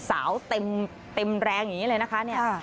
สาวเต็มแรงอย่างนี้เลยนะคะเนี่ย